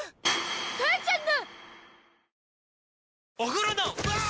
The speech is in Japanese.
母ちゃんの！